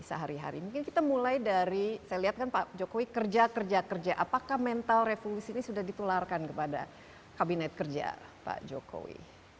sehari hari mungkin kita mulai dari saya lihat kan pak jokowi kerja kerja kerja apakah mental revolusi ini sudah ditularkan kepada kabinet kerja pak jokowi